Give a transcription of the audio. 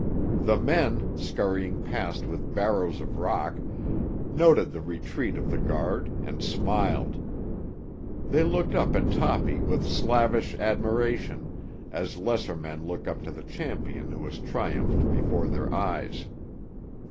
The men, scurrying past with barrows of rock, noted the retreat of the guard and smiled. They looked up at Toppy with slavish admiration, as lesser men look up to the champion who has triumphed before their eyes.